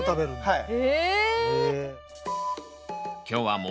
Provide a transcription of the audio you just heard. はい。